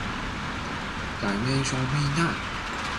外面落緊大雨呀